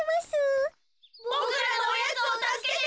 ボクらのおやつをたすけて。